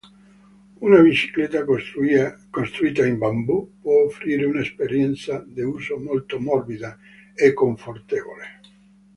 Una bicicletta costruita in bambù può offrire un'esperienza d'uso molto morbida e confortevole.